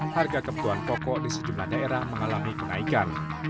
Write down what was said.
harga kebutuhan pokok di sejumlah daerah mengalami kenaikan